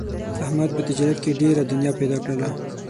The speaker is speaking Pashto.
احمد په تجارت کې ډېره دنیا پیدا کړله.